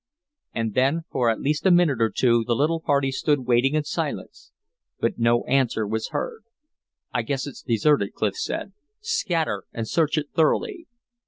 And then for at least a minute or two the little party stood waiting in silence; but no answer was heard. "I guess it's deserted," Clif said. "Scatter and search it thoroughly."